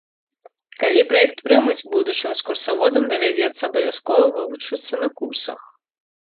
Калі праект прымуць, будучым экскурсаводам давядзецца абавязкова вывучыцца на курсах.